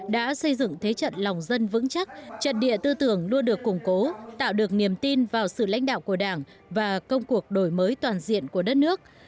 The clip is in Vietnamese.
đã xây dựng thế trận lòng dân vững chắc trận địa tư tưởng luôn được củng cố tạo được niềm tin vào sự lãnh đạo của đảng và công cuộc đổi mới toàn diện của đất nước